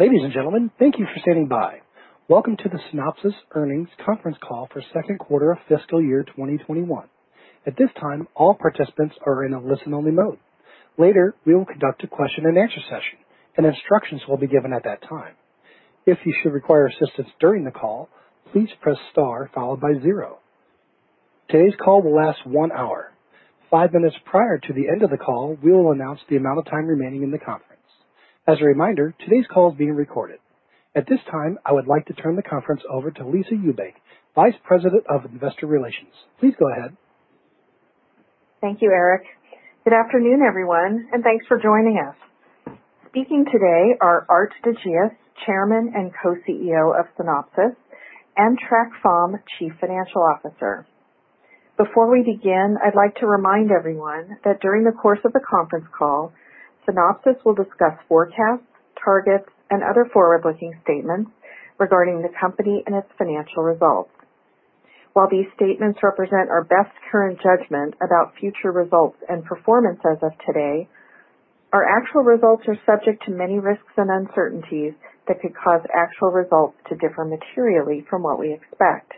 Ladies and gentlemen, thank you for standing by. Welcome to the Synopsys Earnings Conference Call for 2nd quarter of fiscal year 2021. At this time, all participants are in a listen-only mode. Later, we will conduct a question and answer session, and instructions will be given at that time. If you should require assistance during the call, please press star followed by 0. Today's call will last 1 hour. 5 minutes prior to the end of the call, we will announce the amount of time remaining in the conference. As a reminder, today's call is being recorded. At this time, I would like to turn the conference over to Lisa Ewbank, Vice President of Investor Relations. Please go ahead. Thank you, Eric. Good afternoon, everyone, thanks for joining us. Speaking today are Aart de Geus, Chairman and Co-CEO of Synopsys, and Trac Pham, Chief Financial Officer. Before we begin, I'd like to remind everyone that during the course of the conference call, Synopsys will discuss forecasts, targets, and other forward-looking statements regarding the company and its financial results. While these statements represent our best current judgment about future results and performance as of today, our actual results are subject to many risks and uncertainties that could cause actual results to differ materially from what we expect.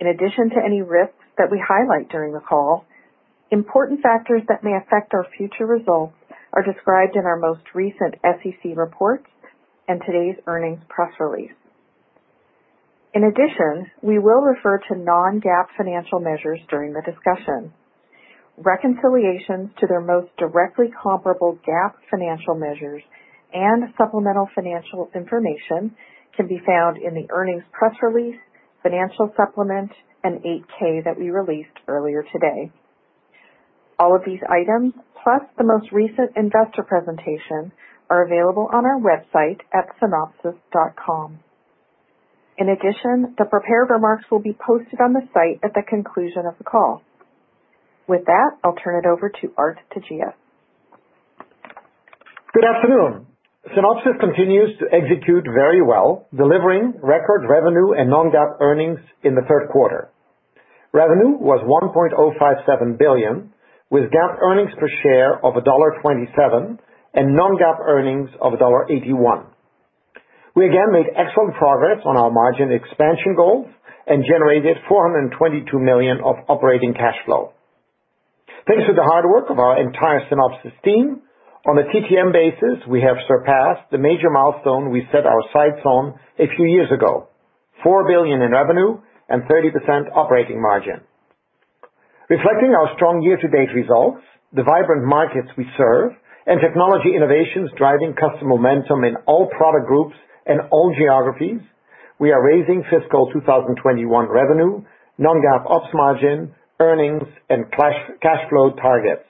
In addition to any risks that we highlight during the call, important factors that may affect our future results are described in our most recent SEC reports and today's earnings press release. In addition, we will refer to non-GAAP financial measures during the discussion. Reconciliations to their most directly comparable GAAP financial measures and supplemental financial information can be found in the earnings press release, financial supplement, and 8-K that we released earlier today. All of these items, plus the most recent investor presentation, are available on our website at synopsys.com. In addition, the prepared remarks will be posted on the site at the conclusion of the call. With that, I'll turn it over to Aart de Geus. Good afternoon. Synopsys continues to execute very well, delivering record revenue and non-GAAP earnings in the third quarter. Revenue was $1.057 billion, with GAAP earnings per share of $1.27 and non-GAAP earnings of $1.81. We again made excellent progress on our margin expansion goals and generated $422 million of operating cash flow. Thanks to the hard work of our entire Synopsys team, on a TTM basis, we have surpassed the major milestone we set our sights on a few years ago, $4 billion in revenue and 30% operating margin. Reflecting our strong year-to-date results, the vibrant markets we serve, and technology innovations driving customer momentum in all product groups and all geographies, we are raising fiscal 2021 revenue, non-GAAP ops margin, earnings, and cash flow targets.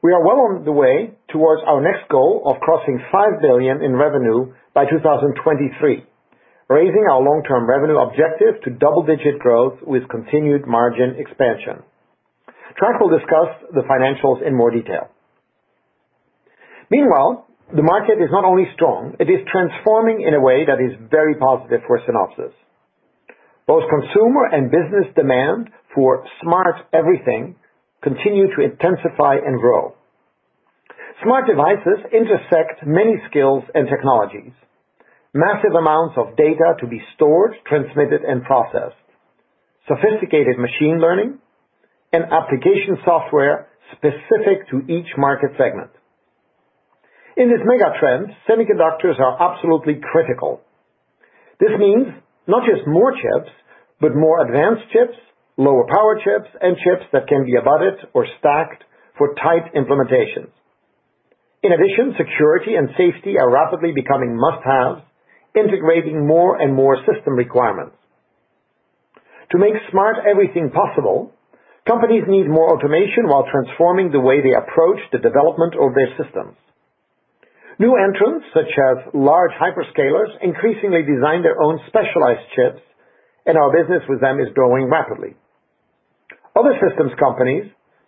We are well on the way towards our next goal of crossing $5 billion in revenue by 2023, raising our long-term revenue objective to double-digit growth with continued margin expansion. Trac will discuss the financials in more detail. Meanwhile, the market is not only strong, it is transforming in a way that is very positive for Synopsys. Both consumer and business demand for smart everything continue to intensify and grow. Smart devices intersect many skills and technologies, massive amounts of data to be stored, transmitted, and processed, sophisticated machine learning, and application software specific to each market segment. In this mega trend, semiconductors are absolutely critical. This means not just more chips, but more advanced chips, lower power chips, and chips that can be abutted or stacked for tight implementations. In addition, security and safety are rapidly becoming must-haves, integrating more and more system requirements. To make smart everything possible, companies need more automation while transforming the way they approach the development of their systems. New entrants, such as large hyperscalers, increasingly design their own specialized chips, and our business with them is growing rapidly. Other systems companies,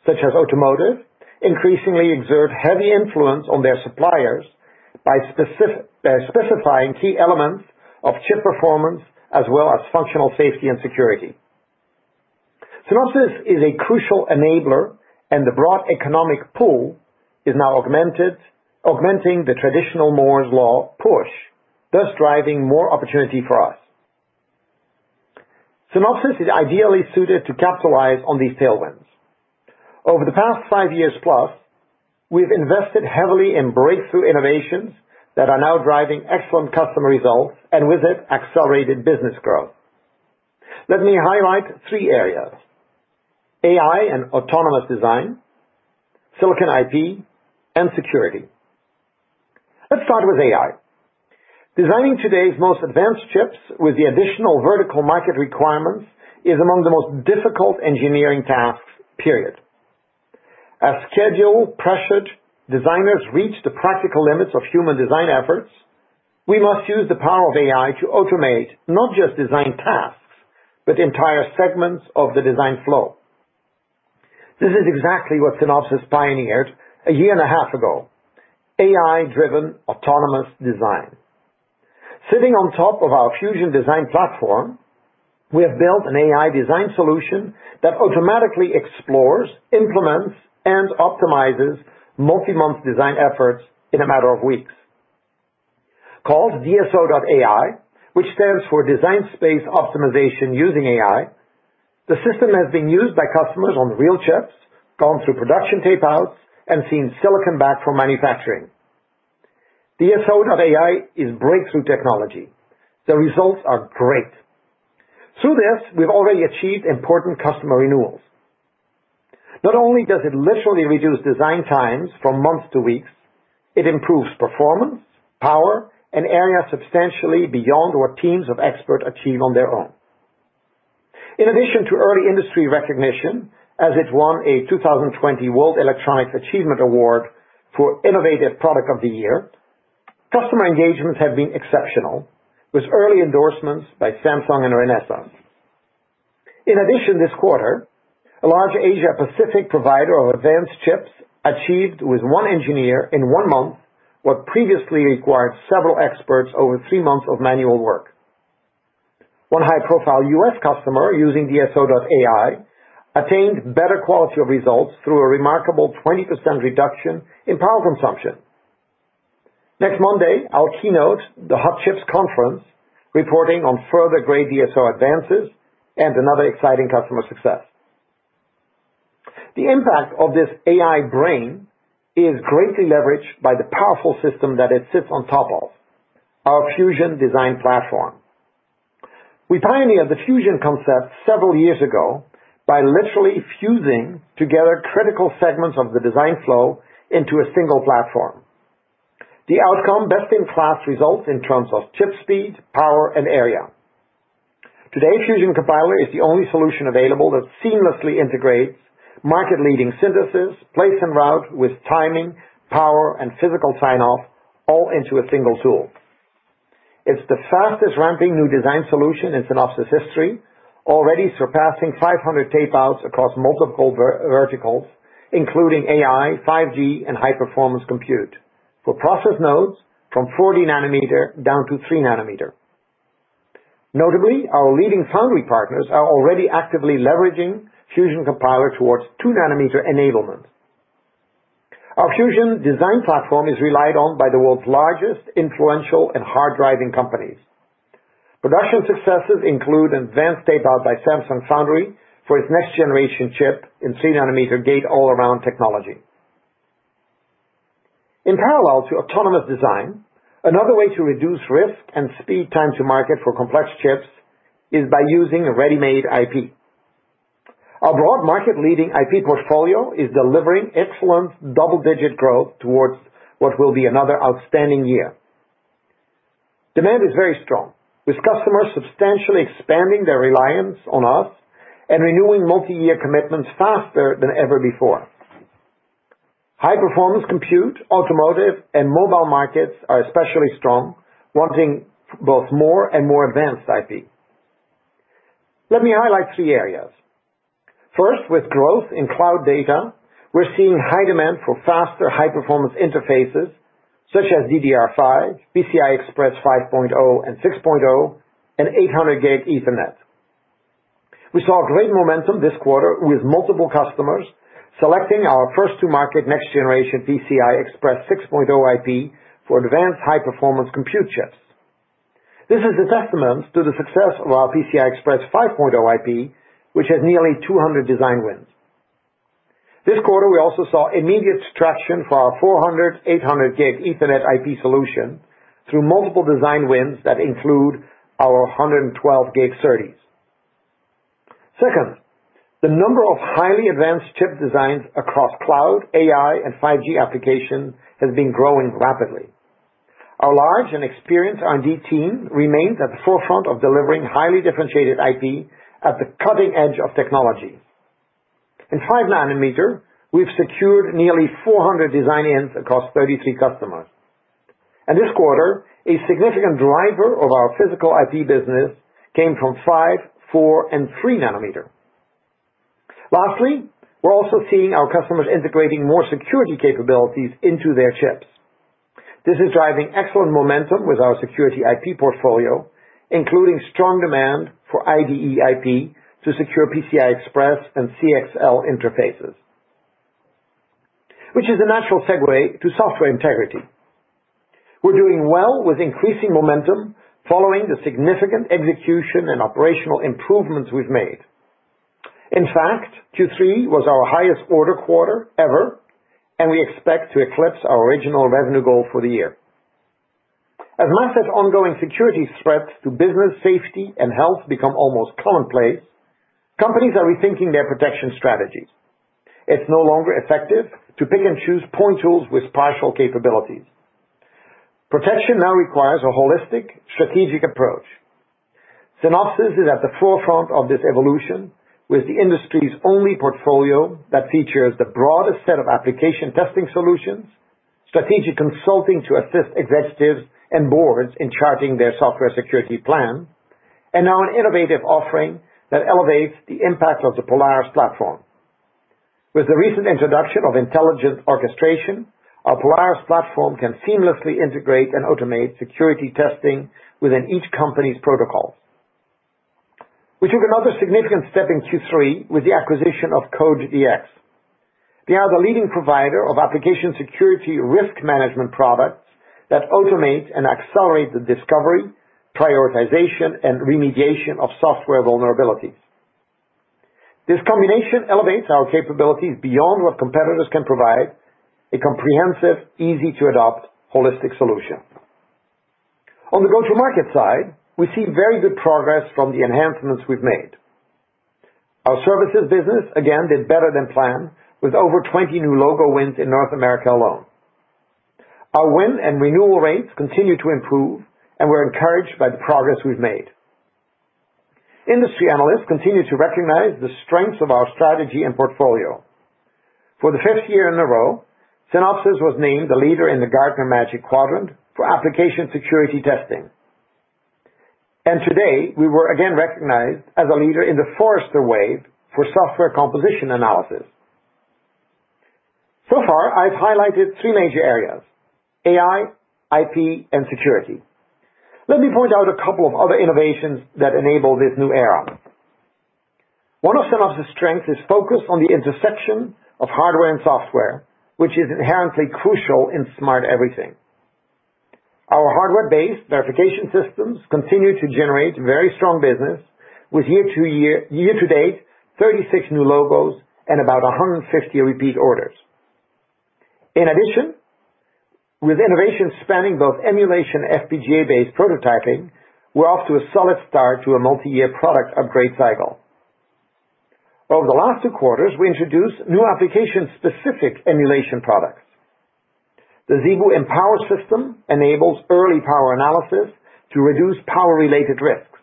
such as automotive, increasingly exert heavy influence on their suppliers by specifying key elements of chip performance as well as functional safety and security. Synopsys is a crucial enabler, and the broad economic pull is now augmenting the traditional Moore's Law push, thus driving more opportunity for us. Synopsys is ideally suited to capitalize on these tailwinds. Over the past five years plus, we've invested heavily in breakthrough innovations that are now driving excellent customer results, and with it, accelerated business growth. Let me highlight three areas: AI and autonomous design, silicon IP, and security. Let's start with AI. Designing today's most advanced chips with the additional vertical market requirements is among the most difficult engineering tasks, period. As schedule-pressured designers reach the practical limits of human design efforts, we must use the power of AI to automate not just design tasks, but entire segments of the design flow. This is exactly what Synopsys pioneered a year and a half ago, AI-driven autonomous design. Sitting on top of our Fusion Design Platform, we have built an AI design solution that automatically explores, implements, and optimizes multi-month design efforts in a matter of weeks. Called DSO.ai, which stands for Design Space Optimization using AI, the system has been used by customers on real chips, gone through production tape-outs, and seen silicon back from manufacturing. DSO.ai is breakthrough technology. The results are great. Through this, we've already achieved important customer renewals. Not only does it literally reduce design times from months to weeks, it improves performance, power, and area substantially beyond what teams of experts achieve on their own. In addition to early industry recognition, as it won a 2020 World Electronics Achievement Awards for Innovative Product of the Year, customer engagements have been exceptional, with early endorsements by Samsung and Renesas. In addition, this quarter, a large Asia Pacific provider of advanced chips achieved with one engineer in one month what previously required several experts over three months of manual work. One high-profile U.S. customer using DSO.ai attained better quality of results through a remarkable 20% reduction in power consumption. Next Monday, I'll keynote the Hot Chips Conference, reporting on further great DSO advances and another exciting customer success. The impact of this AI brain is greatly leveraged by the powerful system that it sits on top of, our Fusion Design Platform. We pioneered the Fusion concept several years ago by literally fusing together critical segments of the design flow into a single platform. The outcome, best-in-class results in terms of chip speed, power, and area. Today, Fusion Compiler is the only solution available that seamlessly integrates market-leading synthesis, place, and route with timing, power, and physical sign-off all into a single tool. It's the fastest ramping new design solution in Synopsys history, already surpassing 500 tape-outs across multiple verticals, including AI, 5G, and high-performance compute, for process nodes from 40 nm down to 3 nm. Notably, our leading foundry partners are already actively leveraging Fusion Compiler towards 2 nm enablement. Our Fusion Design Platform is relied on by the world's largest influential and hard-driving companies. Production successes include an advanced tape-out by Samsung Foundry for its next-generation chip in 3 nm Gate-All-Around technology. In parallel to autonomous design, another way to reduce risk and speed time to market for complex chips is by using ready-made IP. Our broad market leading IP portfolio is delivering excellent double-digit growth towards what will be another outstanding year. Demand is very strong, with customers substantially expanding their reliance on us and renewing multi-year commitments faster than ever before. High-performance compute, automotive, and mobile markets are especially strong, wanting both more and more advanced IP. Let me highlight three areas. First, with growth in cloud data, we're seeing high demand for faster high-performance interfaces such as DDR5, PCI Express 5.0 and 6.0, and 800G Ethernet. We saw great momentum this quarter with multiple customers selecting our first to market next generation PCI Express 6.0 IP for advanced high-performance compute chips. This is a testament to the success of our PCI Express 5.0 IP, which has nearly 200 design wins. This quarter, we also saw immediate traction for our 400G/800G Ethernet IP solution through multiple design wins that include our 112G SerDes. Second, the number of highly advanced chip designs across cloud, AI, and 5G application has been growing rapidly. Our large and experienced R&D team remains at the forefront of delivering highly differentiated IP at the cutting edge of technology. In 5 nm, we've secured nearly 400 design wins across 33 customers. This quarter, a significant driver of our physical IP business came from 5, 4, and 3 nm. Lastly, we're also seeing our customers integrating more security capabilities into their chips. This is driving excellent momentum with our security IP portfolio, including strong demand for IDE IP to secure PCI Express and CXL interfaces, which is a natural segue to Software Integrity. We're doing well with increasing momentum following the significant execution and operational improvements we've made. In fact, Q3 was our highest order quarter ever, and we expect to eclipse our original revenue goal for the year. As massive ongoing security threats to business safety and health become almost commonplace, companies are rethinking their protection strategies. It's no longer effective to pick and choose point tools with partial capabilities. Protection now requires a holistic, strategic approach. Synopsys is at the forefront of this evolution with the industry's only portfolio that features the broadest set of application testing solutions, strategic consulting to assist executives and boards in charting their software security plan, and now an innovative offering that elevates the impact of the Polaris platform. With the recent introduction of Intelligent Orchestration, our Polaris platform can seamlessly integrate and automate security testing within each company's protocols. We took another significant step in Q3 with the acquisition of Code Dx. They are the leading provider of application security risk management products that automate and accelerate the discovery, prioritization, and remediation of software vulnerabilities. This combination elevates our capabilities beyond what competitors can provide, a comprehensive, easy-to-adopt holistic solution. On the go-to-market side, we see very good progress from the enhancements we've made. Our services business, again, did better than planned, with over 20 new logo wins in North America alone. Our win and renewal rates continue to improve, and we're encouraged by the progress we've made. Industry analysts continue to recognize the strengths of our strategy and portfolio. For the fifth year in a row, Synopsys was named the leader in the Gartner Magic Quadrant for application security testing. Today, we were again recognized as a leader in the Forrester Wave for software composition analysis. So far, I've highlighted three major areas: AI, IP, and security. Let me point out a couple of other innovations that enable this new era. One of Synopsys' strength is focused on the intersection of hardware and software, which is inherently crucial in smart everything. Our hardware-based verification systems continue to generate very strong business with year-to-date 36 new logos and about 150 repeat orders. In addition, with innovation spanning both emulation FPGA-based prototyping, we're off to a solid start to a multi-year product upgrade cycle. Over the last two quarters, we introduced new application-specific emulation products. The ZeBu Empower system enables early power analysis to reduce power-related risks,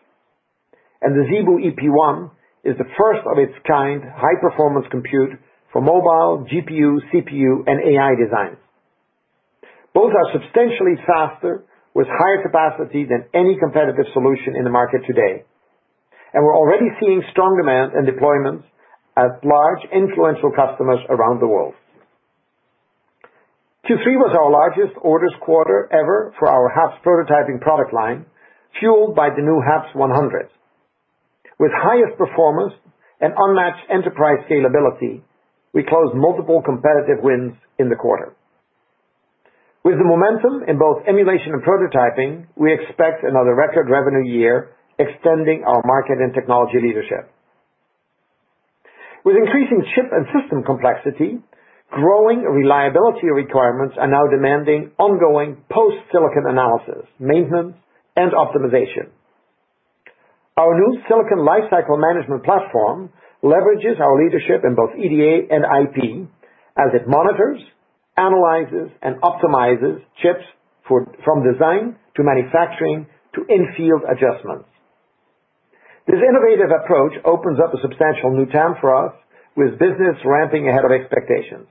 and the ZeBu EP1 is the first of its kind high-performance compute for mobile GPU, CPU, and AI designs. Both are substantially faster with higher capacity than any competitive solution in the market today, and we're already seeing strong demand and deployments at large influential customers around the world. Q3 was our largest orders quarter ever for our HAPS prototyping product line, fueled by the new HAPS-100. With highest performance and unmatched enterprise scalability, we closed multiple competitive wins in the quarter. With the momentum in both emulation and prototyping, we expect another record revenue year, extending our market and technology leadership. With increasing chip and system complexity, growing reliability requirements are now demanding ongoing post-silicon analysis, maintenance, and optimization. Our new Silicon Lifecycle Management platform leverages our leadership in both EDA and IP as it monitors, analyzes, and optimizes chips from design to manufacturing to in-field adjustments. This innovative approach opens up a substantial new TAM for us with business ramping ahead of expectations.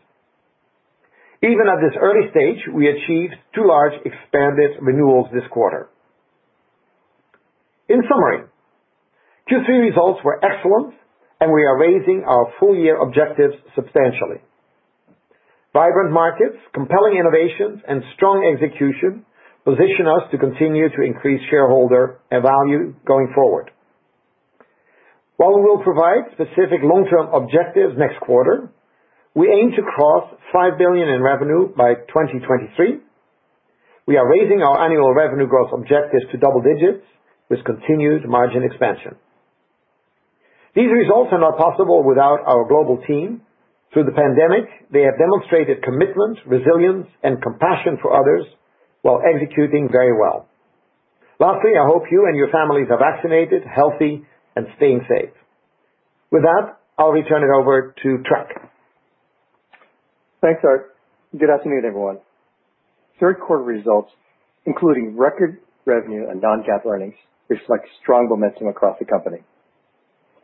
Even at this early stage, we achieved two large expanded renewals this quarter. In summary, Q3 results were excellent, and we are raising our full year objectives substantially. Vibrant markets, compelling innovations, and strong execution position us to continue to increase shareholder and value going forward. While we will provide specific long-term objectives next quarter, we aim to cross $5 billion in revenue by 2023. We are raising our annual revenue growth objectives to double digits with continued margin expansion. These results are not possible without our global team. Through the pandemic, they have demonstrated commitment, resilience, and compassion for others while executing very well. Lastly, I hope you and your families are vaccinated, healthy, and staying safe. With that, I'll return it over to Trac. Thanks, Aart. Good afternoon, everyone. Third quarter results, including record revenue and non-GAAP earnings, reflect strong momentum across the company.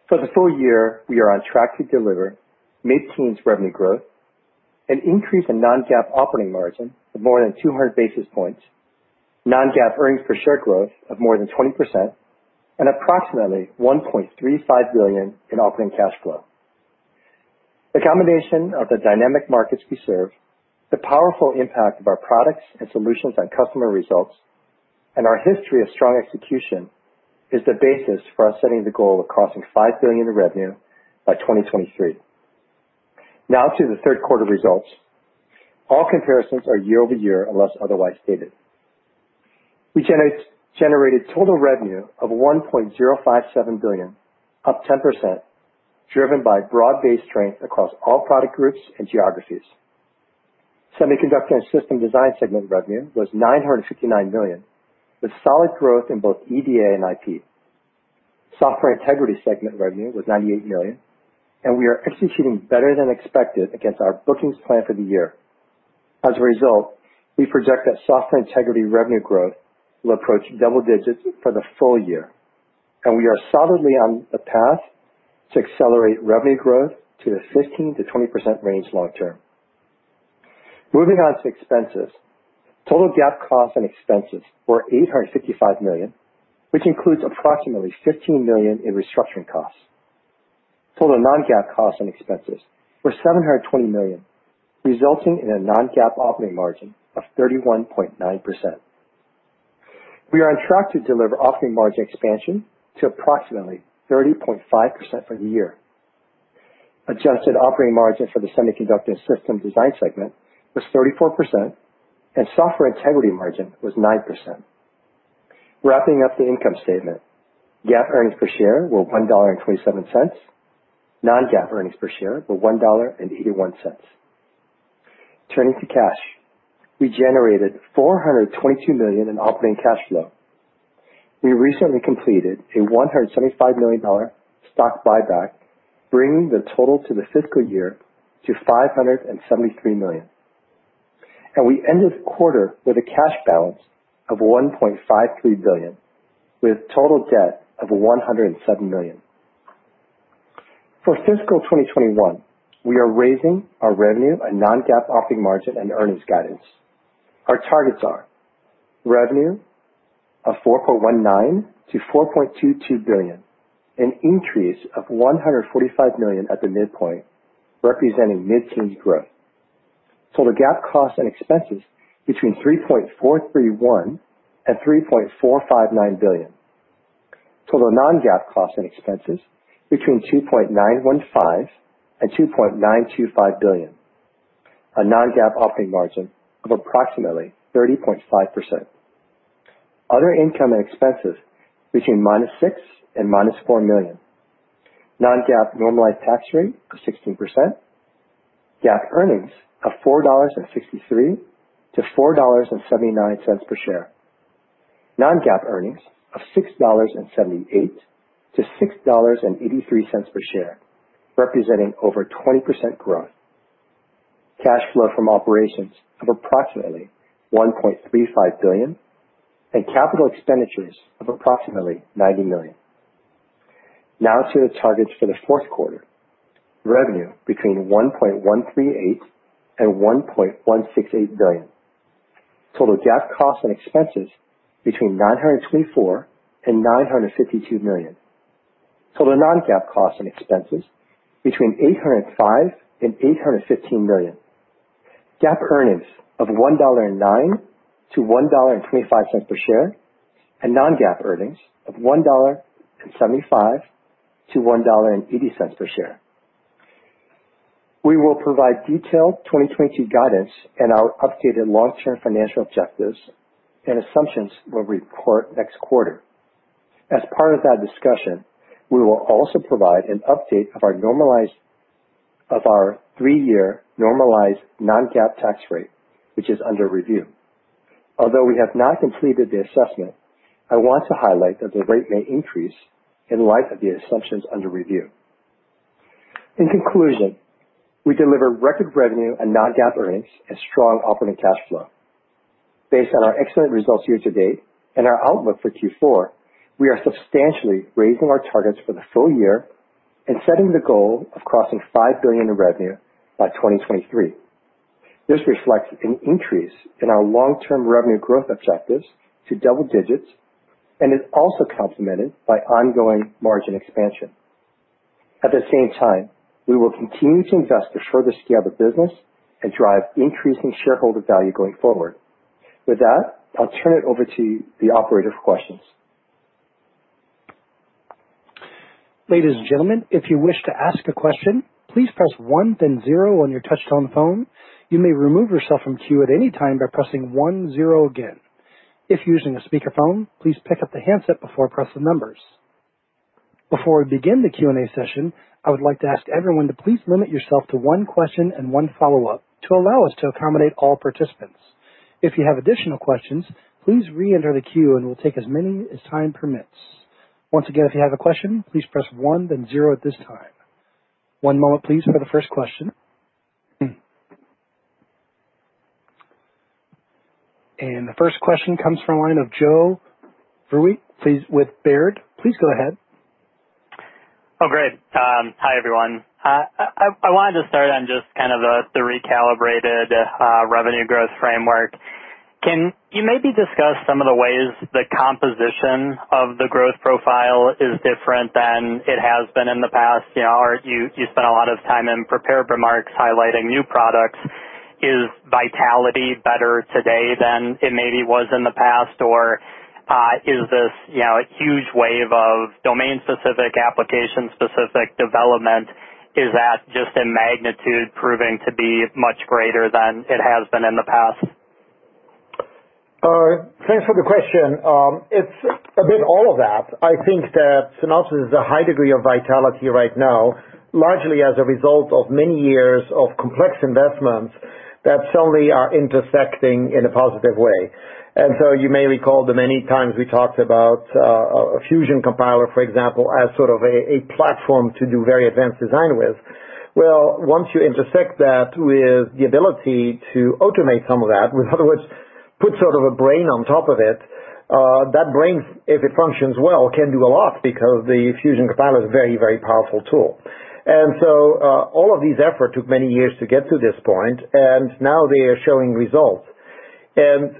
For the full year, we are on track to deliver mid-teens revenue growth, an increase in non-GAAP operating margin of more than 200 basis points, non-GAAP earnings per share growth of more than 20%, and approximately $1.35 billion in operating cash flow. The combination of the dynamic markets we serve, the powerful impact of our products and solutions on customer results, and our history of strong execution, is the basis for us setting the goal of crossing $5 billion in revenue by 2023. Now to the third quarter results. All comparisons are year-over-year, unless otherwise stated. We generated total revenue of $1.057 billion, up 10%, driven by broad-based strength across all product groups and geographies. Semiconductor and System Design segment revenue was $969 million, with solid growth in both EDA and IP. Software Integrity segment revenue was $98 million, and we are executing better than expected against our bookings plan for the year. As a result, we project that Software Integrity revenue growth will approach double digits for the full year, and we are solidly on a path to accelerate revenue growth to the 15%-20% range long term. Moving on to expenses. Total GAAP costs and expenses were $855 million, which includes approximately $15 million in restructuring costs. Total non-GAAP costs and expenses were $720 million, resulting in a non-GAAP operating margin of 31.9%. We are on track to deliver operating margin expansion to approximately 30.5% for the year. Adjusted operating margin for the Semiconductor and System Design segment was 34%, and Software Integrity margin was 9%. Wrapping up the income statement. GAAP earnings per share were $1.27. Non-GAAP earnings per share were $1.81. Turning to cash. We generated $422 million in operating cash flow. We recently completed a $175 million stock buyback, bringing the total to the fiscal year to $573 million. We ended the quarter with a cash balance of $1.53 billion, with total debt of $107 million. For fiscal 2021, we are raising our revenue and non-GAAP operating margin and earnings guidance. Our targets are revenue of $4.19 billion-$4.22 billion, an increase of $145 million at the midpoint, representing mid-single growth. Total GAAP cost and expenses between $3.431 billion and $3.459 billion. Total non-GAAP costs and expenses between $2.915 billion and $2.925 billion. A non-GAAP operating margin of approximately 30.5%. Other income and expenses between -$6 million and -$4 million. Non-GAAP normalized tax rate of 16%. GAAP earnings of $4.63-$4.79 per share. Non-GAAP earnings of $6.78-$6.83 per share, representing over 20% growth. Cash flow from operations of approximately $1.35 billion, and capital expenditures of approximately $90 million. Now to the targets for the fourth quarter. Revenue between $1.138 billion and $1.168 billion. Total GAAP cost and expenses between $924 million and $952 million. Total non-GAAP costs and expenses between $805 million and $815 million. GAAP earnings of $1.09-$1.25 per share, and non-GAAP earnings of $1.75-$1.80 per share. We will provide detailed 2022 guidance and our updated long-term financial objectives and assumptions when we report next quarter. As part of that discussion, we will also provide an update of our three-year normalized non-GAAP tax rate, which is under review. Although we have not completed the assessment, I want to highlight that the rate may increase in light of the assumptions under review. In conclusion, we delivered record revenue and non-GAAP earnings and strong operating cash flow. Based on our excellent results year to date and our outlook for Q4, we are substantially raising our targets for the full year and setting the goal of crossing $5 billion in revenue by 2023. This reflects an increase in our long-term revenue growth objectives to double digits and is also complemented by ongoing margin expansion. At the same time, we will continue to invest to further scale the business and drive increasing shareholder value going forward. With that, I'll turn it over to the operator for questions. Ladies and gentlemen, if you wish to ask a question, please press 1 then 0 on your touchtone phone. You may remove yourself from queue at any time by pressing 1, 0 again. If you're using a speakerphone, please pick up the handset before pressing numbers. Before we begin the Q&A session, I would like to ask everyone to please limit yourself to one question and one follow-up to allow us to accommodate all participants. If you have additional questions, please re-enter the queue and we'll take as many as time permits. The first question comes from line of Joe Vruwink with Baird. Please go ahead. Oh, great. Hi, everyone. I wanted to start on just kind of the recalibrated revenue growth framework. Can you maybe discuss some of the ways the composition of the growth profile is different than it has been in the past? You spent a lot of time in prepared remarks highlighting new products. Is vitality better today than it maybe was in the past? Is this a huge wave of domain-specific, application-specific development? Is that just in magnitude proving to be much greater than it has been in the past? Thanks for the question. It's a bit all of that. I think that Synopsys has a high degree of vitality right now, largely as a result of many years of complex investments that suddenly are intersecting in a positive way. You may recall the many times we talked about Fusion Compiler, for example, as sort of a platform to do very advanced design with. Well, once you intersect that with the ability to automate some of that. Put sort of a brain on top of it. That brain, if it functions well, can do a lot because the Fusion Compiler is a very, very powerful tool. All of these efforts took many years to get to this point, and now they are showing results.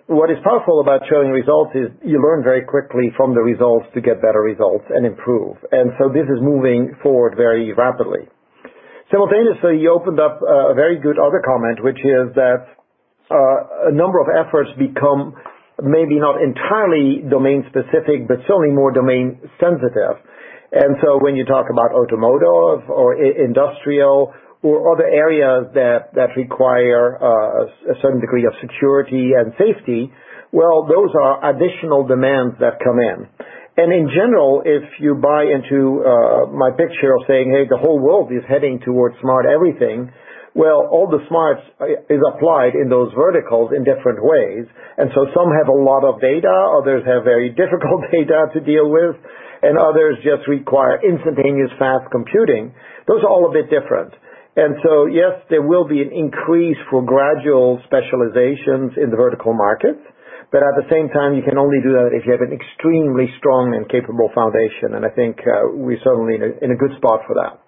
What is powerful about showing results is you learn very quickly from the results to get better results and improve. This is moving forward very rapidly. Simultaneously, you opened up a very good other comment, which is that a number of efforts become maybe not entirely domain-specific, but certainly more domain sensitive. When you talk about automotive or industrial or other areas that require a certain degree of security and safety, well, those are additional demands that come in. In general, if you buy into my picture of saying, "Hey, the whole world is heading towards smart everything," well, all the smarts is applied in those verticals in different ways. Some have a lot of data, others have very difficult data to deal with, and others just require instantaneous fast computing. Those are all a bit different. Yes, there will be an increase for gradual specializations in the vertical markets. At the same time, you can only do that if you have an extremely strong and capable foundation. I think we're certainly in a good spot for that.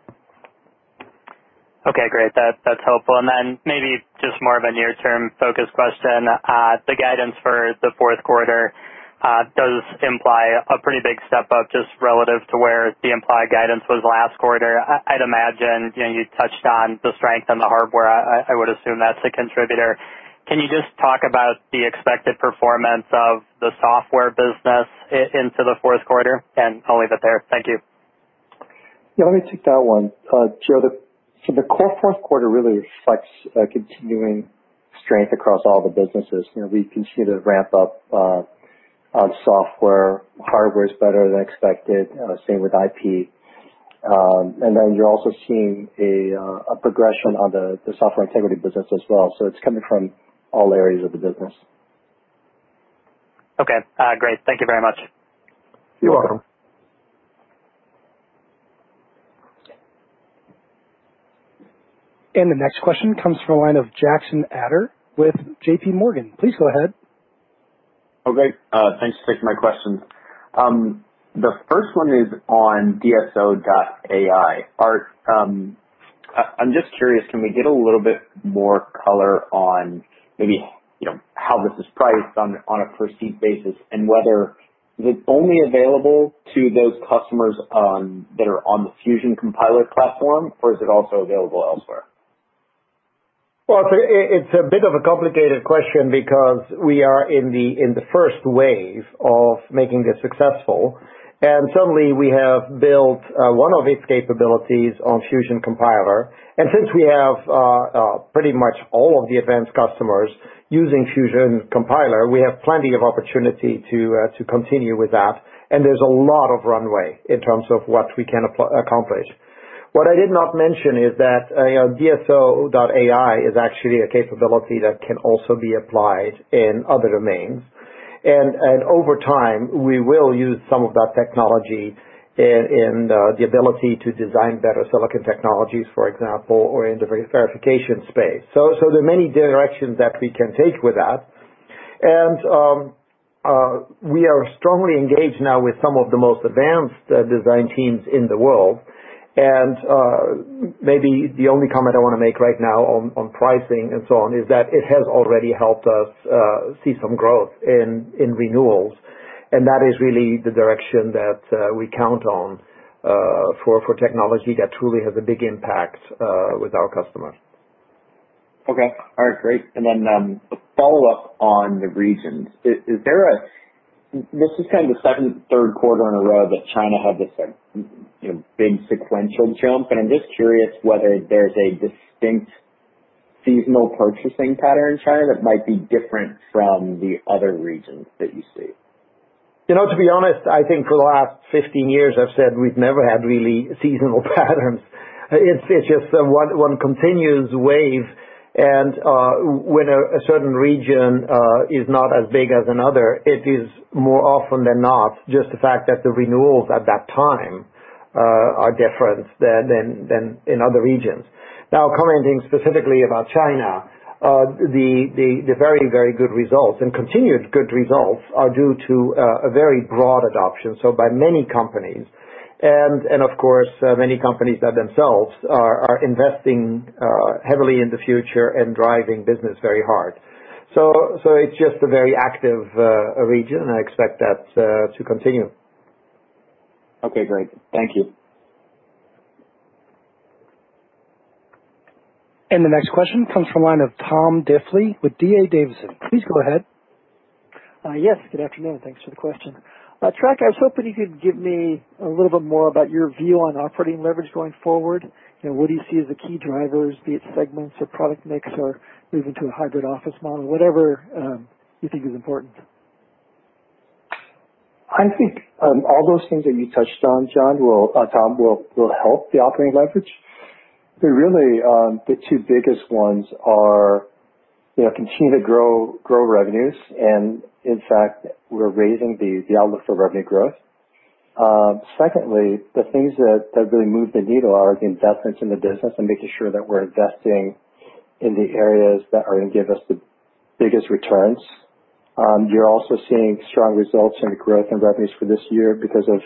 Okay, great. That's helpful. Maybe just more of a near term focus question. The guidance for the fourth quarter does imply a pretty big step up just relative to where the implied guidance was last quarter. I'd imagine, you touched on the strength on the hardware. I would assume that's a contributor. Can you just talk about the expected performance of the software business into the fourth quarter? I'll leave it there. Thank you. Yeah, let me take that one, Joe. The core fourth quarter really reflects a continuing strength across all the businesses. We continue to ramp up on software. Hardware is better than expected, same with IP. You're also seeing a progression on the Software Integrity business as well. It's coming from all areas of the business. Okay. Great. Thank you very much. You're welcome. The next question comes from the line of Jackson Ader with JPMorgan. Please go ahead. Okay. Thanks for taking my questions. The first one is on DSO.ai. Aart, I'm just curious, can we get a little bit more color on maybe how this is priced on a per seat basis, and whether is it only available to those customers that are on the Fusion Compiler platform, or is it also available elsewhere? Well, it's a bit of a complicated question because we are in the first wave of making this successful, and certainly we have built one of its capabilities on Fusion Compiler. Since we have pretty much all of the advanced customers using Fusion Compiler, we have plenty of opportunity to continue with that, and there's a lot of runway in terms of what we can accomplish. What I did not mention is that DSO.ai is actually a capability that can also be applied in other domains. Over time, we will use some of that technology in the ability to design better silicon technologies, for example, or in the verification space. There are many directions that we can take with that, and we are strongly engaged now with some of the most advanced design teams in the world. Maybe the only comment I want to make right now on pricing and so on is that it has already helped us see some growth in renewals, and that is really the direction that we count on for technology that truly has a big impact with our customers. Okay. All right, great. A follow-up on the regions. This is kind of the second third quarter in a row that China had this big sequential jump, I'm just curious whether there's a distinct seasonal purchasing pattern in China that might be different from the other regions that you see. To be honest, I think for the last 15 years, I've said we've never had really seasonal patterns. It's just one continuous wave. When a certain region is not as big as another, it is more often than not just the fact that the renewals at that time are different than in other regions. Now, commenting specifically about China, the very, very good results and continued good results are due to a very broad adoption, so by many companies. Of course, many companies that themselves are investing heavily in the future and driving business very hard. It's just a very active region. I expect that to continue. Okay, great. Thank you. The next question comes from line of Tom Diffely with D.A. Davidson. Please go ahead. Yes, good afternoon. Thanks for the question. Trac, I was hoping you could give me a little bit more about your view on operating leverage going forward. What do you see as the key drivers, be it segments or product mix or moving to a hybrid office model? Whatever you think is important. I think all those things that you touched on, Tom, will help the operating leverage. Really, the two biggest ones are continue to grow revenues, and in fact, we're raising the outlook for revenue growth. Secondly, the things that really move the needle are the investments in the business and making sure that we're investing in the areas that are going to give us the biggest returns. You're also seeing strong results in the growth in revenues for this year because of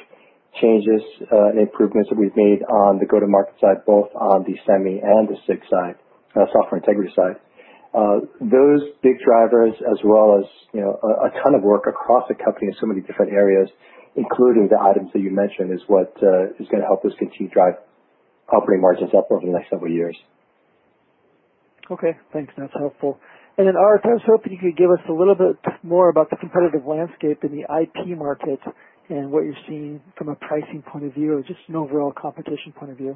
changes and improvements that we've made on the go-to-market side, both on the Semi and the SIG side, Software Integrity side. Those big drivers, as well as a ton of work across the company in so many different areas, including the items that you mentioned, is what is going to help us continue to drive operating margins up over the next several years. Okay, thanks. That's helpful. Then, Art, I was hoping you could give us a little bit more about the competitive landscape in the IP market and what you're seeing from a pricing point of view, or just an overall competition point of view?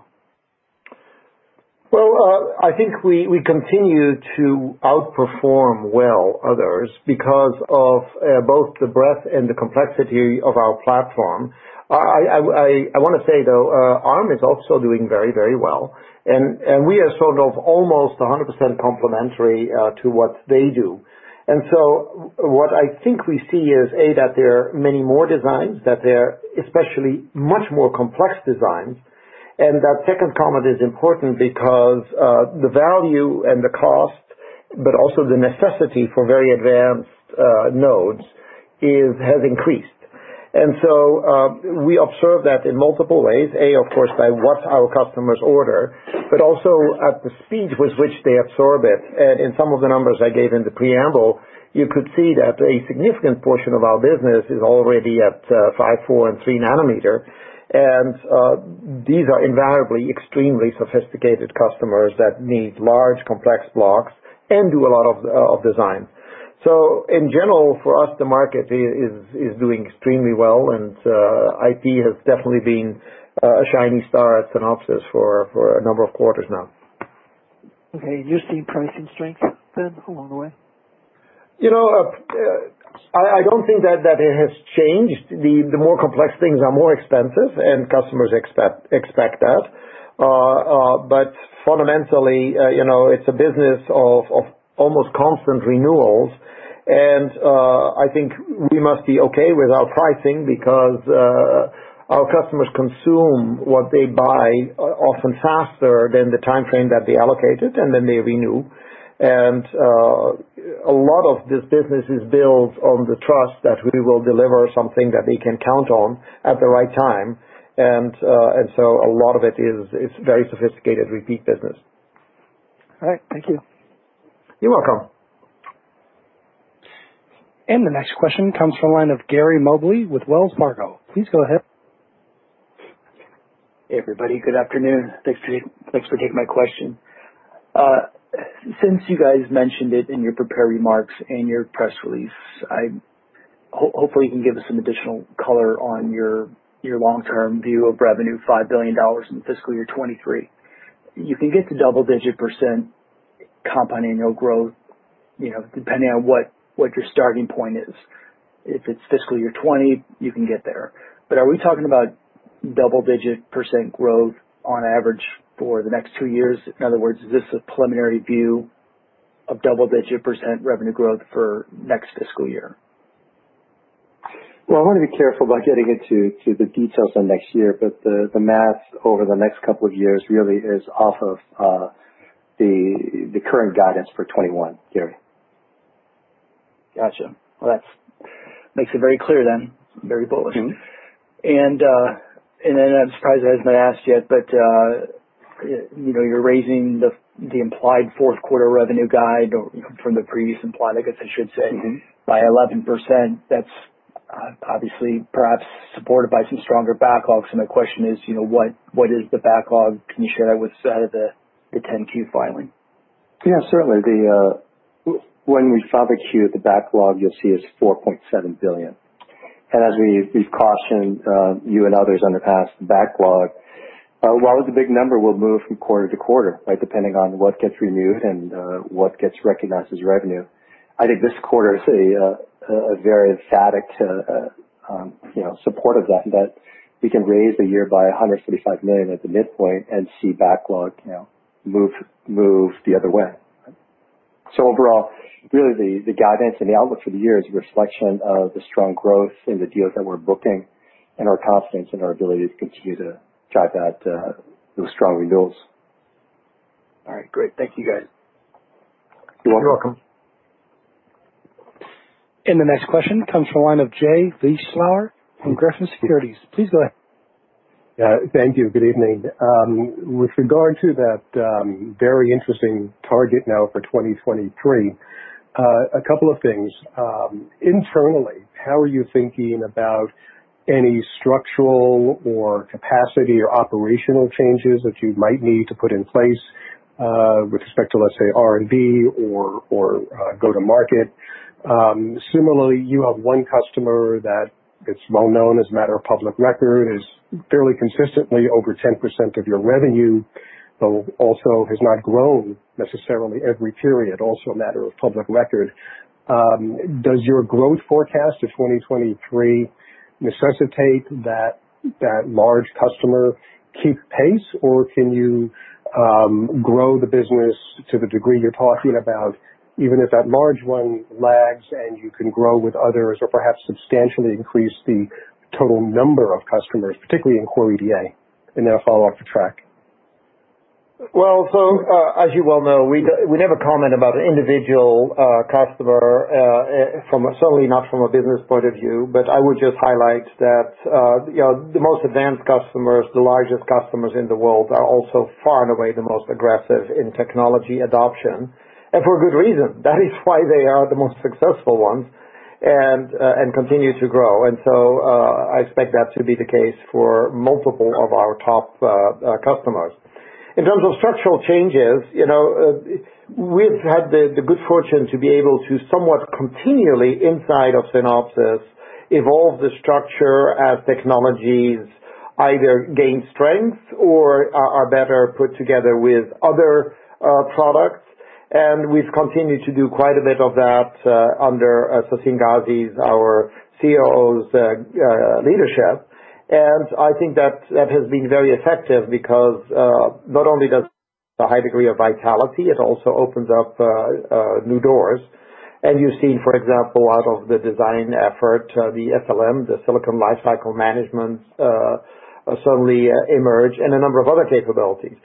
Well, I think we continue to outperform well others because of both the breadth and the complexity of our platform. I want to say, though, Arm is also doing very well, and we are sort of almost 100% complementary to what they do. What I think we see is, A, that there are many more designs, that there are especially much more complex designs. That second comment is important because the value and the cost, but also the necessity for very advanced nodes, has increased. We observe that in multiple ways. A, of course, by what our customers order, but also at the speed with which they absorb it. In some of the numbers I gave in the preamble, you could see that a significant portion of our business is already at 5, 4, and 3 nm. These are invariably extremely sophisticated customers that need large, complex blocks and do a lot of design. In general, for us, the market is doing extremely well, and IP has definitely been a shining star at Synopsys for a number of quarters now. Okay. You're seeing pricing strength then along the way? I don't think that it has changed. The more complex things are more expensive, and customers expect that. Fundamentally, it's a business of almost constant renewals, and I think we must be okay with our pricing because our customers consume what they buy often faster than the timeframe that they allocated, and then they renew. A lot of this business is built on the trust that we will deliver something that they can count on at the right time. A lot of it is very sophisticated repeat business. All right. Thank you. You're welcome. The next question comes from the line of Gary Mobley with Wells Fargo. Please go ahead. Hey, everybody. Good afternoon. Thanks for taking my question. Since you guys mentioned it in your prepared remarks and your press release, hopefully you can give us some additional color on your long-term view of revenue, $5 billion in fiscal year 2023. You can get to double-digit % compound annual growth, depending on what your starting point is. If it's fiscal year 2020, you can get there. Are we talking about double-digit % growth on average for the next two years? In other words, is this a preliminary view of double-digit % revenue growth for next fiscal year? Well, I want to be careful about getting into the details on next year, but the math over the next couple of years really is off of the current guidance for 2021, Gary. Got you. Well, that makes it very clear then. Very bullish. I'm surprised it hasn't been asked yet, but you're raising the implied fourth quarter revenue guide or from the previous implied, by 11%. That's obviously perhaps supported by some stronger backlogs. My question is, what is the backlog? Can you share that with us out of the 10-Q filing? Yeah, certainly. When we file the Q, the backlog you'll see is $4.7 billion. As we've cautioned you and others on the past backlog, while it's a big number, we'll move from quarter to quarter, right? Depending on what gets renewed and what gets recognized as revenue. I think this quarter is a very emphatic support of that we can raise the year by $135 million at the midpoint and see backlog move the other way. Overall, really, the guidance and the outlook for the year is a reflection of the strong growth in the deals that we're booking and our confidence in our ability to continue to drive out those strong renewals. All right, great. Thank you, guys. You're welcome. You're welcome. The next question comes from the line of Jay Vleeschhouwer from Griffin Securities. Please go ahead. Yeah, thank you. Good evening. With regard to that very interesting target now for 2023, a couple of things. Internally, how are you thinking about any structural or capacity or operational changes that you might need to put in place with respect to, let's say, R&D or go to market? Similarly, you have one customer that it's well known as a matter of public record, is fairly consistently over 10% of your revenue, but also has not grown necessarily every period, also a matter of public record. Does your growth forecast to 2023 necessitate that that large customer keep pace, or can you grow the business to the degree you're talking about, even if that margin lags and you can grow with others or perhaps substantially increase the total number of customers, particularly in Core EDA? I'll follow up with Trac Pham. As you well know, we never comment about an individual customer, certainly not from a business point of view. I would just highlight that the most advanced customers, the largest customers in the world, are also far and away the most aggressive in technology adoption, and for a good reason. That is why they are the most successful ones and continue to grow. I expect that to be the case for multiple of our top customers. In terms of structural changes, we've had the good fortune to be able to somewhat continually, inside of Synopsys, evolve the structure as technologies either gain strength or are better put together with other products. We've continued to do quite a bit of that under Sassine Ghazi, our COO's leadership. I think that has been very effective because not only does it have a high degree of vitality, it also opens up new doors. You've seen, for example, out of the design effort, the SLM, the Silicon Lifecycle Management, suddenly emerge and a number of other capabilities.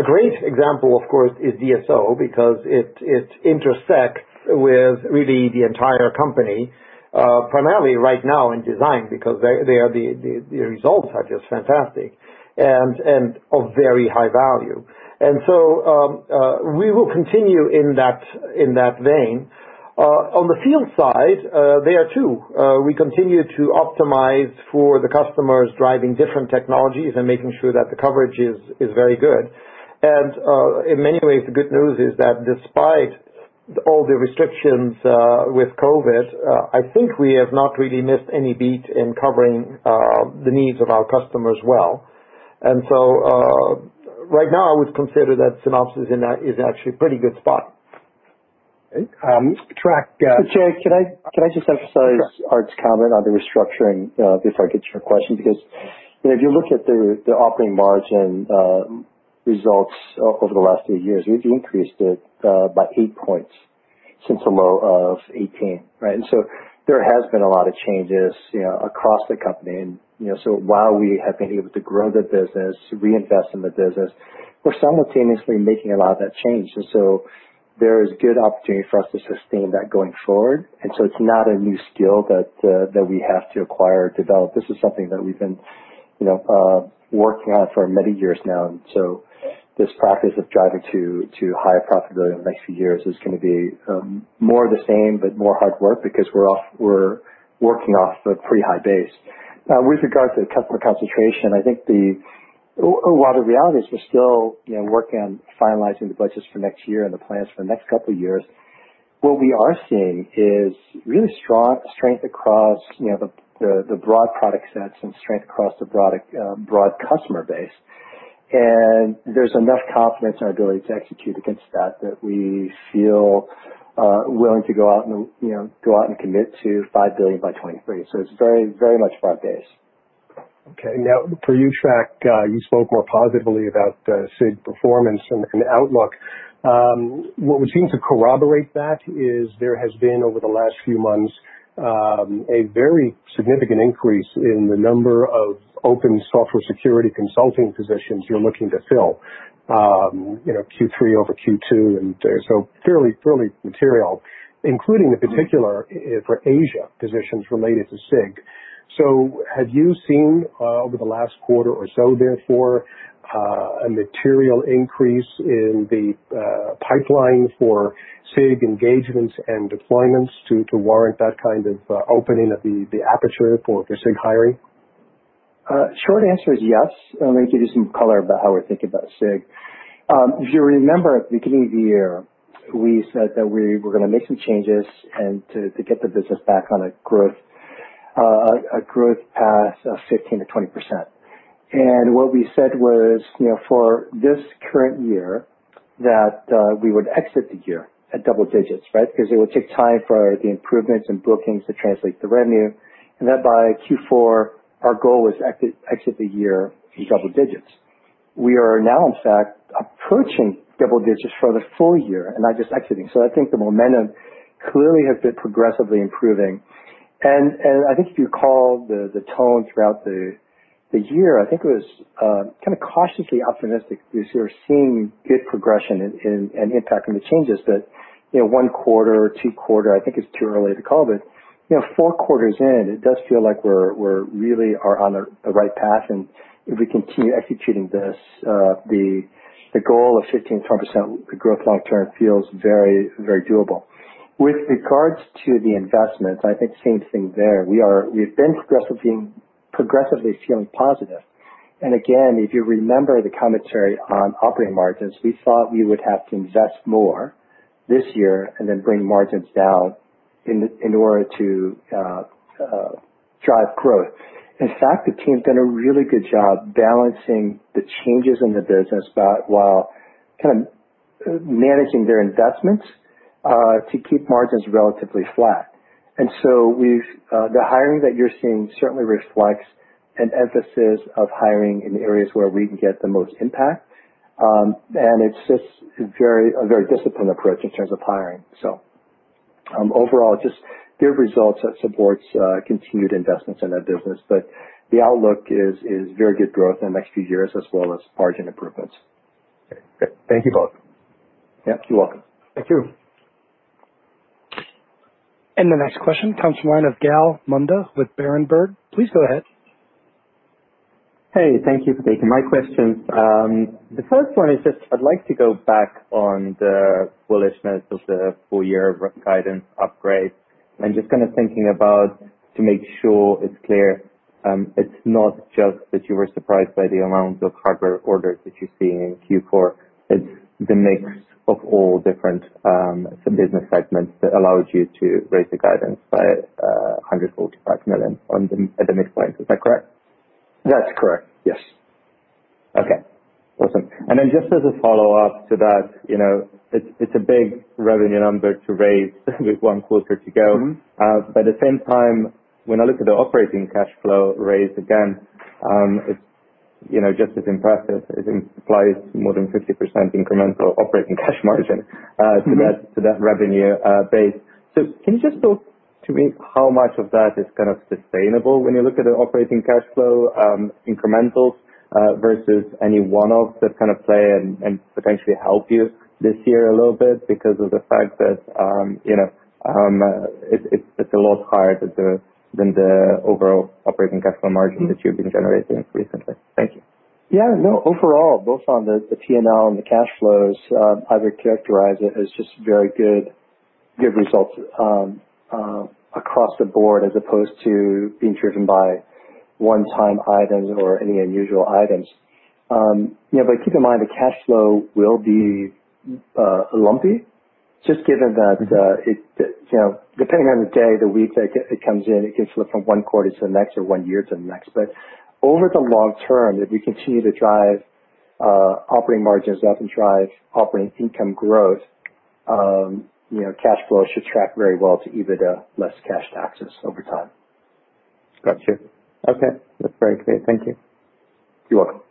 A great example, of course, is DSO.ai, because it intersects with really the entire company, primarily right now in design, because the results are just fantastic and of very high value. We will continue in that vein. On the field side, there too, we continue to optimize for the customers driving different technologies and making sure that the coverage is very good. In many ways, the good news is that despite all the restrictions with COVID, I think we have not really missed any beat in covering the needs of our customers well. Right now, I would consider that Synopsys is in actually a pretty good spot. Okay. Trac, Jay, can I just emphasize Aart's comment on the restructuring before I get to your question? If you look at the operating margin results over the last few years, we've increased it by eight points since a low of 18, right. There has been a lot of changes across the company. While we have been able to grow the business, to reinvest in the business, we're simultaneously making a lot of that change. There is good opportunity for us to sustain that going forward. It's not a new skill that we have to acquire or develop. This is something that we've been working on for many years now. This practice of driving to higher profitability in the next few years is going to be more of the same, but more hard work because we're working off a pretty high base. Now, with regards to customer concentration, I think while the reality is we're still working on finalizing the budgets for next year and the plans for the next couple of years, what we are seeing is really strong strength across the broad product sets and strength across the broad customer base. There's enough confidence in our ability to execute against that we feel willing to go out and commit to $5 billion by 2023. It's very much about base. Okay. Now for you, Trac, you spoke more positively about SIG performance and outlook. What would seem to collaborate that is there has been, over the last few months, a very significant increase in the number of open software security consulting positions you're looking to fill. Q3 over Q2, and so fairly material, including in particular for Asia, positions related to SIG. Have you seen over the last quarter or so therefore, a material increase in the pipeline for SIG engagements and deployments to warrant that kind of opening of the aperture for SIG hiring? Short answer is yes. Let me give you some color about how we're thinking about SIG. If you remember at the beginning of the year, we said that we were going to make some changes and to get the business back on a growth path of 15%-20%. What we said was, for this current year, that we would exit the year at double digits, right? It would take time for the improvements in bookings to translate to revenue, and that by Q4, our goal was exit the year in double digits. We are now, in fact, approaching double digits for the full year and not just exiting. I think the momentum clearly has been progressively improving. I think if you recall the tone throughout the year, I think it was kind of cautiously optimistic. We were seeing good progression and impact from the changes that one quarter or two quarter, I think it's too early to call, but four quarters in, it does feel like we really are on the right path, and if we continue executing this, the goal of 15%-20% growth long term feels very doable. With regards to the investments, I think same thing there. We've been progressively feeling positive. Again, if you remember the commentary on operating margins, we thought we would have to invest more this year and then bring margins down in order to drive growth. In fact, the team's done a really good job balancing the changes in the business while kind of managing their investments to keep margins relatively flat. So the hiring that you're seeing certainly reflects an emphasis of hiring in areas where we can get the most impact. It's just a very disciplined approach in terms of hiring. Overall, just good results that supports continued investments in that business. The outlook is very good growth in the next few years as well as margin improvements. Okay. Thank you both. Yeah, you're welcome. Thank you. The next question comes from line of Gal Munda with Berenberg. Please go ahead. Hey, thank you for taking my question. The first one is just, I'd like to go back on the bullishness of the full year guidance upgrade, just kind of thinking about to make sure it's clear, it's not just that you were surprised by the amount of hardware orders that you're seeing in Q4, it's the mix of all different business segments that allowed you to raise the guidance by $145 million on the mix point. Is that correct? That's correct. Yes. Okay. Awesome. Just as a follow-up to that, it's a big revenue number to raise with one quarter to go. At the same time, when I look at the operating cash flow raise again, it's just as impressive. It implies more than 50% incremental operating cash margin, to that revenue base. Can you just talk to me how much of that is kind of sustainable when you look at the operating cash flow incrementals versus any one-offs that kind of play and potentially help you this year a little bit because of the fact that it's a lot higher than the overall operating cash flow margin that you've been generating recently. Thank you. Yeah, no, overall, both on the P&L and the cash flows, I would characterize it as just very good results across the board as opposed to being driven by one-time items or any unusual items. Keep in mind, the cash flow will be lumpy, just given that, depending on the day, the week that it comes in, it can slip from one quarter to the next or one year to the next. Over the long term, if we continue to drive operating margins up and drive operating income growth, cash flow should track very well to EBITDA, less cash taxes over time. Got you, Okay. That's very clear. Thank you. You're welcome.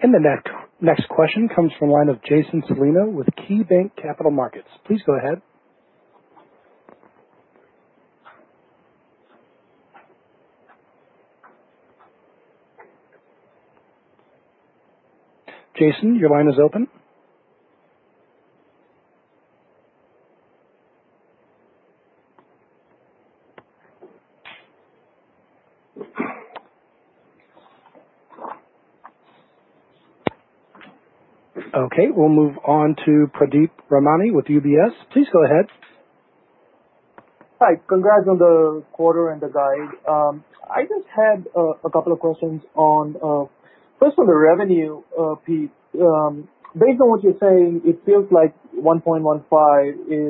The next question comes from line of Jason Celino with KeyBanc Capital Markets. Please go ahead. Jason, your line is open. Okay, we'll move on to Pradeep Ramani with UBS. Please go ahead. Hi. Congrats on the quarter and the guide. I just had a couple of questions on, first on the revenue piece. Based on what you're saying, it feels like $1.15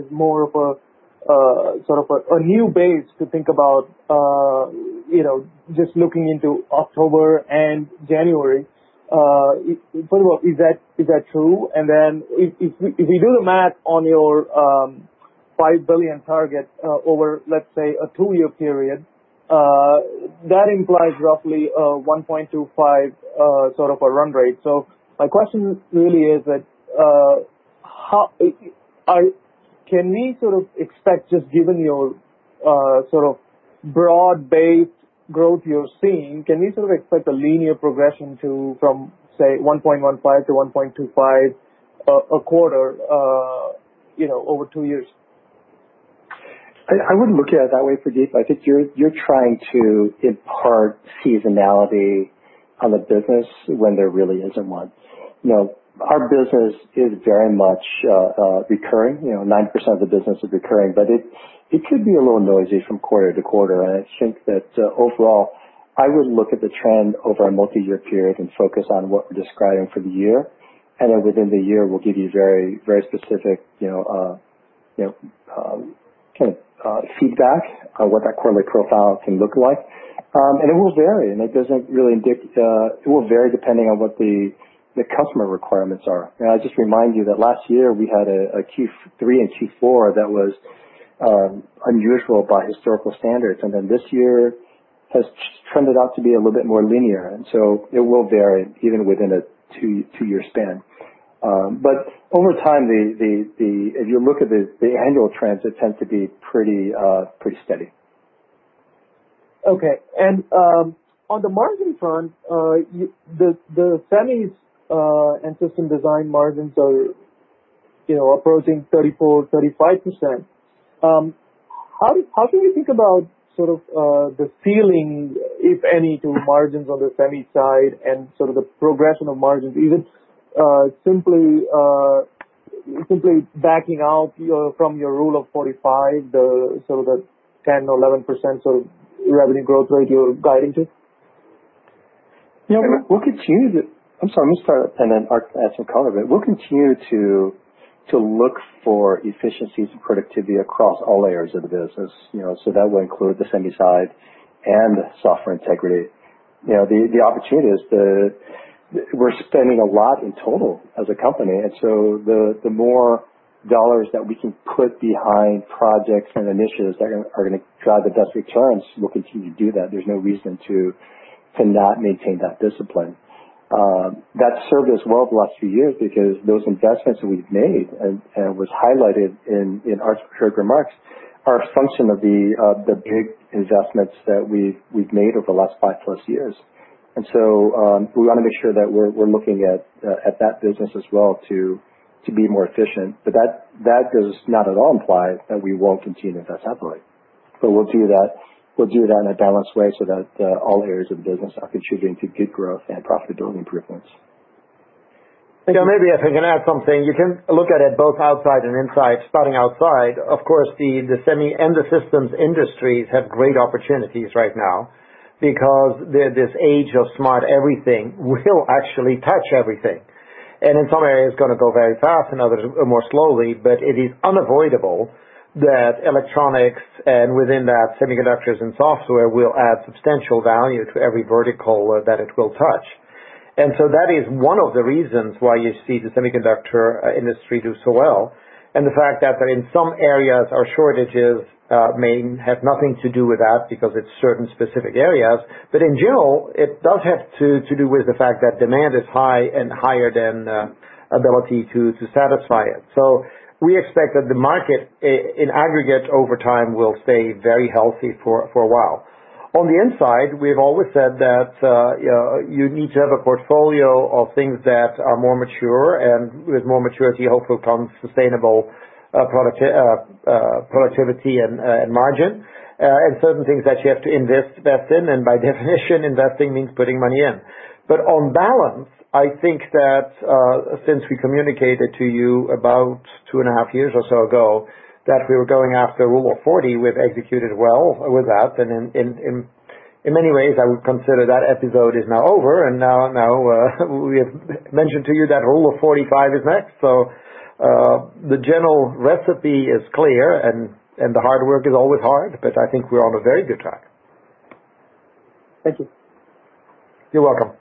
is more of a sort of a new base to think about just looking into October and January. First of all, is that true? If we do the math on your $5 billion target over, let's say, a two-year period, that implies roughly a $1.25 sort of a run rate. My question really is that, can we sort of expect, just given your sort of broad-based growth you're seeing, can we sort of expect a linear progression from, say, $1.15 - $1.25 a quarter over two years? I wouldn't look at it that way, Pradeep. I think you're trying to impart seasonality on the business when there really isn't one. Our business is very much recurring. 9% of the business is recurring, but it could be a little noisy from quarter to quarter. I think that overall, I would look at the trend over a multi-year period and focus on what we're describing for the year. Then within the year, we'll give you very specific kind of feedback on what that quarterly profile can look like. It will vary depending on what the customer requirements are. I'd just remind you that last year we had a Q3 and Q4 that was unusual by historical standards. This year has just turned out to be a little bit more linear. So it will vary even within a two-year span. Over time, if you look at the annual trends, it tends to be pretty steady. Okay. On the margin front, the Semis and System Design margins are approaching 34%, 35%. How can we think about sort of the ceiling, if any, to margins on the semi side and sort of the progression of margins? Is it simply backing out from your Rule of 45, the sort of 10 or 11% sort of revenue growth rate you're guiding to? Yeah. I'm sorry, let me start, and then Art can add some color there. We'll continue to look for efficiencies and productivity across all areas of the business. That will include the semi side and Software Integrity. The opportunity is we're spending a lot in total as a company, and so the more dollars that we can put behind projects and initiatives that are going to drive the best returns, we'll continue to do that. There's no reason to not maintain that discipline. That served us well the last few years because those investments we've made, and was highlighted in Art's prepared remarks, are a function of the big investments that we've made over the last five plus years. We want to make sure that we're looking at that business as well to be more efficient. That does not at all imply that we won't continue to invest heavily. We'll do that in a balanced way so that all areas of the business are contributing to good growth and profitability improvements. Maybe if I can add something, you can look at it both outside and inside. Starting outside, of course, the semi and the systems industries have great opportunities right now because this age of smart everything will actually touch everything. In some areas, going to go very fast and others more slowly. It is unavoidable that electronics, and within that, semiconductors and software, will add substantial value to every vertical that it will touch. That is one of the reasons why you see the semiconductor industry do so well, and the fact that in some areas are shortages may have nothing to do with that because it's certain specific areas. In general, it does have to do with the fact that demand is high and higher than ability to satisfy it. We expect that the market, in aggregate, over time, will stay very healthy for a while. On the inside, we've always said that you need to have a portfolio of things that are more mature, and with more maturity, hopefully, comes sustainable productivity and margin, and certain things that you have to invest in. By definition, investing means putting money in. On balance, I think that since we communicated to you about 2.5 years or so ago that we were going after Rule of 40, we've executed well with that. In many ways, I would consider that episode is now over, and now we have mentioned to you that Rule of 45 is next. The general recipe is clear and the hard work is always hard, but I think we're on a very good track. Thank you. You're welcome.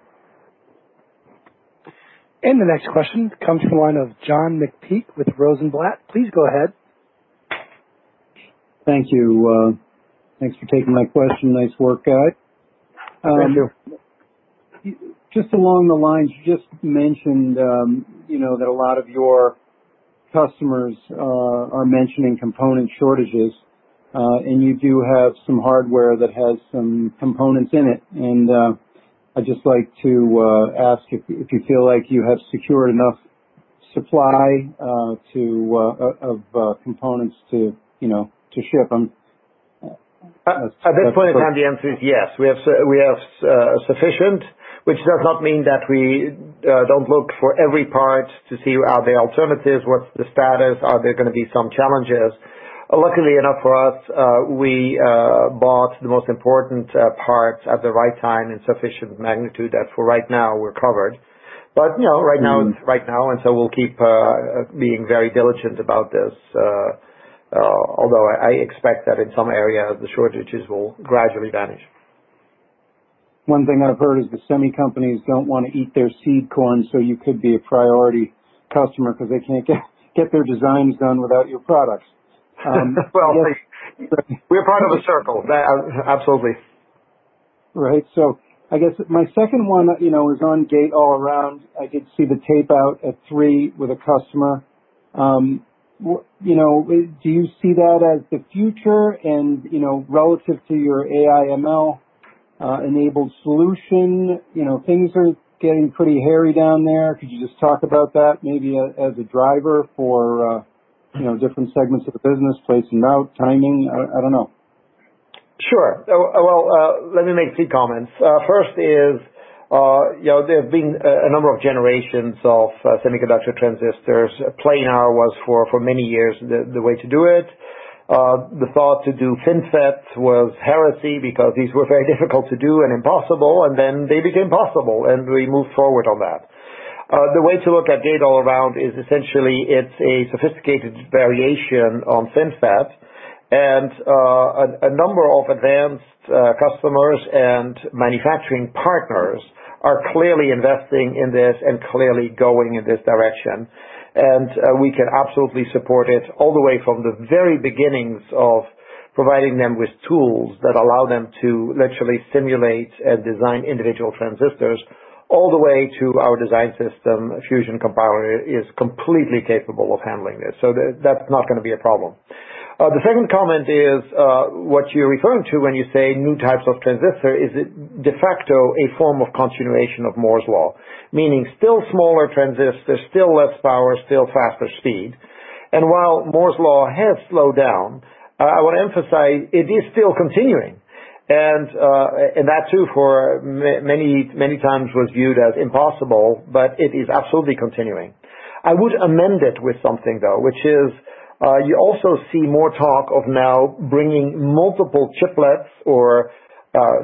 The next question comes from the line of John McPeake with Rosenblatt. Please go ahead. Thank you. Thanks for taking my question. Nice work, guys. Thank you. Just along the lines, you just mentioned that a lot of your customers are mentioning component shortages. You do have some hardware that has some components in it. I'd just like to ask if you feel like you have secured enough supply of components to ship them. At this point in time, the answer is yes. We have sufficient, which does not mean that we don't look for every part to see are there alternatives, what's the status, are there going to be some challenges. Luckily enough for us, we bought the most important parts at the right time in sufficient magnitude that for right now, we're covered. Right now is right now, so we'll keep being very diligent about this. Although I expect that in some areas, the shortages will gradually vanish. One thing I've heard is the semi companies don't want to eat their seed corn, so you could be a priority customer because they can't get their designs done without your products. Well, we're part of a circle. Absolutely. Right. I guess my second one is on Gate-All-Around. I did see the tape out at three with a customer. Do you see that as the future? Relative to your AI/ML-enabled solution, things are getting pretty hairy down there. Could you just talk about that, maybe as a driver for different segments of the business, placing out timing? I don't know. Sure. Well, let me make two comments. First is there have been a number of generations of semiconductor transistors. Planar was for many years the way to do it. The thought to do FinFET was heresy because these were very difficult to do and impossible, and then they became possible, and we moved forward on that. The way to look at Gate-All-Around is essentially it's a sophisticated variation on FinFET. A number of advanced customers and manufacturing partners are clearly investing in this and clearly going in this direction. We can absolutely support it all the way from the very beginnings of providing them with tools that allow them to literally simulate and design individual transistors all the way to our design system. Fusion Compiler is completely capable of handling this. That's not going to be a problem. The second comment is, what you're referring to when you say new types of transistor is de facto a form of continuation of Moore's Law, meaning still smaller transistors, still less power, still faster speed. While Moore's Law has slowed down, I want to emphasize it is still continuing. That too, for many times, was viewed as impossible, it is absolutely continuing. I would amend it with something, though, which is, you also see more talk of now bringing multiple chiplets, or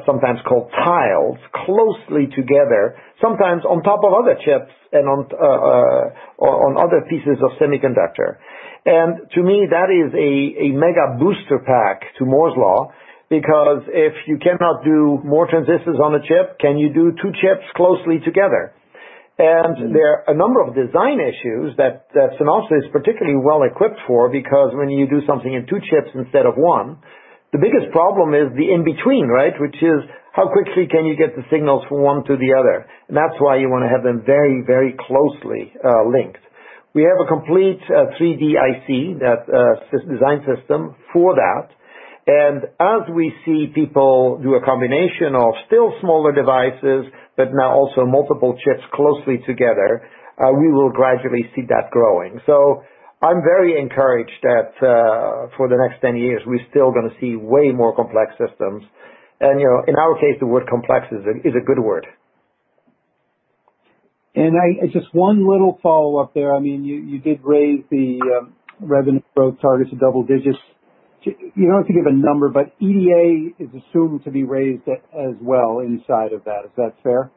sometimes called tiles, closely together, sometimes on top of other chips and on other pieces of semiconductor. To me, that is a mega booster pack to Moore's Law, because if you cannot do more transistors on a chip, can you do two chips closely together? There are a number of design issues that Synopsys is particularly well-equipped for, because when you do something in two chips instead of one, the biggest problem is the in-between, right? Which is how quickly can you get the signals from one to the other? That's why you want to have them very closely linked. We have a complete 3D IC design system for that. As we see people do a combination of still smaller devices, but now also multiple chips closely together, we will gradually see that growing. I'm very encouraged that for the next 10 years, we're still going to see way more complex systems. In our case, the word complex is a good word. Just one little follow-up there. You did raise the revenue growth targets to double digits. You don't have to give a number, EDA is assumed to be raised as well inside of that. Is that fair?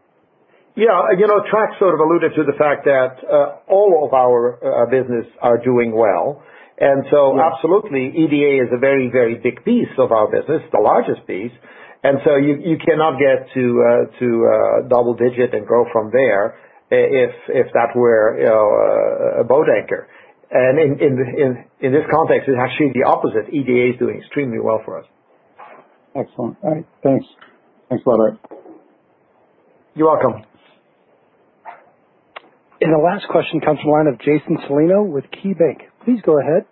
Yeah. Trac sort of alluded to the fact that all of our business are doing well, and so absolutely, EDA is a very big piece of our business, the largest piece. In this context, it's actually the opposite. EDA is doing extremely well for us. Excellent. All right. Thanks. Thanks, Aart. You're welcome. The last question comes from the line of Jason Celino with KeyBanc. Please go ahead.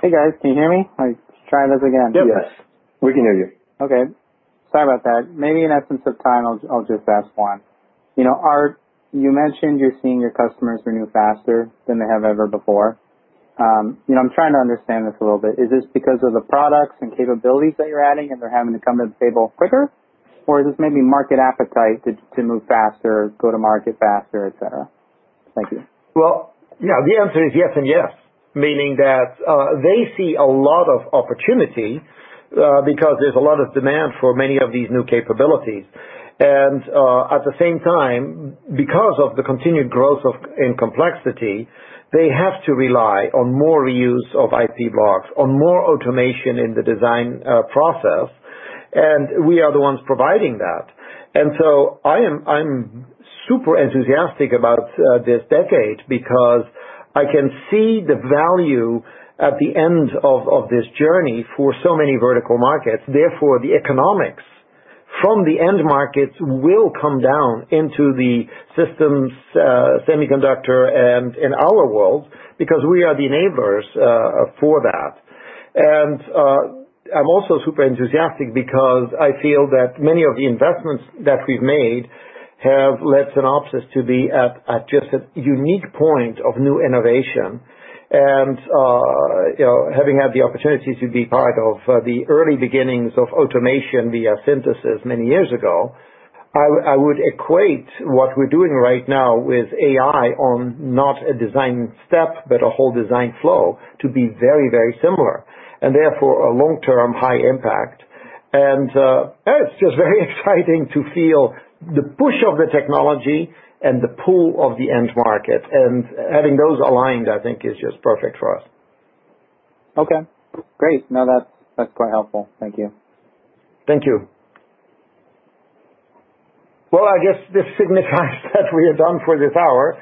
Hey, guys. Can you hear me? I'll try this again. Yes. We can hear you. Okay. Sorry about that. Maybe in essence of time, I'll just ask one. You mentioned you're seeing your customers renew faster than they have ever before. I'm trying to understand this a little bit. Is this because of the products and capabilities that you're adding, and they're having to come to the table quicker? Or is this maybe market appetite to move faster, go to market faster, et cetera? Thank you. Well, the answer is yes and yes, meaning that they see a lot of opportunity because there's a lot of demand for many of these new capabilities. At the same time, because of the continued growth in complexity, they have to rely on more reuse of IP blocks, on more automation in the design process, and we are the ones providing that. I'm super enthusiastic about this decade because I can see the value at the end of this journey for so many vertical markets. Therefore, the economics from the end markets will come down into the systems semiconductor and in our world, because we are the enablers for that. I'm also super enthusiastic because I feel that many of the investments that we've made have led Synopsys to be at just a unique point of new innovation. Having had the opportunity to be part of the early beginnings of automation via synthesis many years ago, I would equate what we're doing right now with AI on not a design step, but a whole design flow to be very similar, and therefore, a long-term high impact. It's just very exciting to feel the push of the technology and the pull of the end market, and having those aligned, I think, is just perfect for us. Okay, great. No, that's quite helpful. Thank you. Thank you. Well, I guess this signifies that we are done for this hour.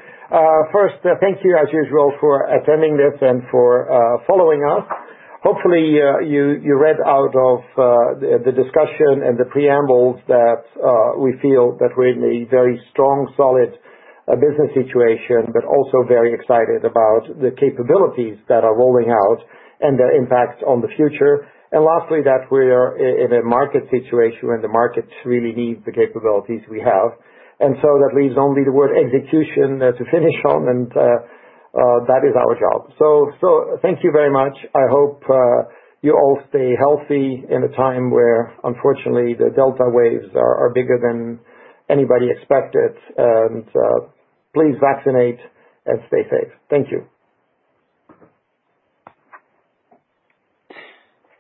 First, thank you as usual for attending this and for following us. Hopefully, you read out of the discussion and the preambles that we feel that we're in a very strong, solid business situation, but also very excited about the capabilities that are rolling out and their impact on the future. Lastly, that we're in a market situation where the markets really need the capabilities we have. That leaves only the word execution to finish on, and that is our job. Thank you very much. I hope you all stay healthy in a time where, unfortunately, the Delta waves are bigger than anybody expected. Please vaccinate and stay safe. Thank you.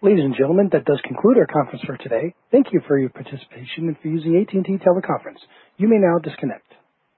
Ladies and gentlemen, that does conclude our conference for today. Thank you for your participation and for using AT&T teleconference. You may now disconnect.